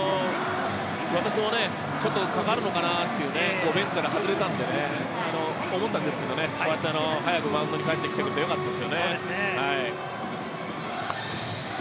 私もちょっとかかるのかなと、ベンチから外れたのでね、思ったんですけれど、早くマウンドに帰ってきてくれてよかったですよね。